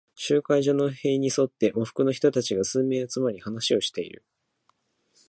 集会所の塀に沿って、喪服の人たちが数名集まり、話をしている。